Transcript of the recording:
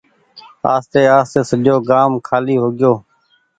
آستي آستي سجو گآم کآلي هوگئيو۔